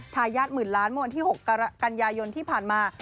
ทายาทหมื่นล้านเมื่อวันที่๖กันยายนที่ผ่านมา